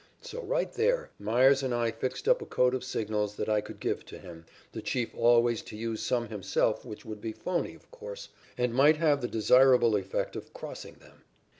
So right there Meyers and I fixed up a code of signals that I could give to him, the Chief always to use some himself which would be "phoney" of course, and might have the desirable effect of "crossing them."